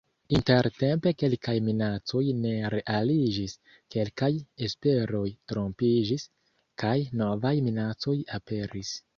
Intertempe kelkaj minacoj ne realiĝis, kelkaj esperoj trompiĝis, kaj novaj minacoj aperis.